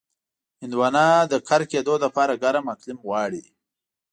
هندوانه د کر کېدو لپاره ګرم اقلیم غواړي.